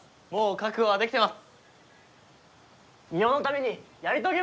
覚悟はできてます！